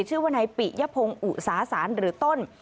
ชื่อว่าในปิยะพงอุสาสานหรือต้น